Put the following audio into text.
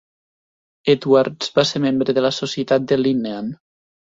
Edwards va ser membre de la Societat de Linnean.